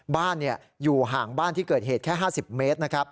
บ้านอยู่ห่างบ้านที่เกิดเหตุแค่๕๐เมตรนะครับ